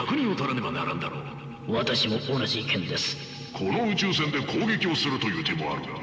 この宇宙船で攻撃をするという手もあるが。